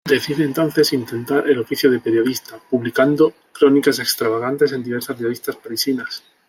Decide entonces intentar el oficio de periodista, publicando crónicas extravagantes en diversas revistas parisinas.